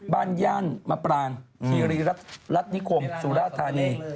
บ้านย่านมปรางทีรีรัฐนิคมสุรธารีย์